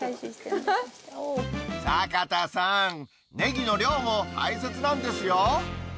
坂田さん、ネギの量も大切なんですよ。